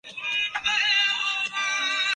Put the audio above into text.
مجھے جتنا معلوم تھا وہ میں نے ان کو